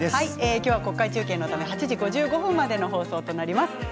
今日は国会中継のため８時５５分までの放送となります。